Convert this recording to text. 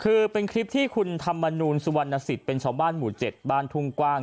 คือเป็นคลิปที่คุณธรรมนูลสุวรรณสิทธิ์เป็นชาวบ้านหมู่๗บ้านทุ่งกว้าง